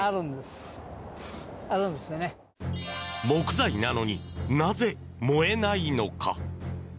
木材なのになぜ燃えないのか？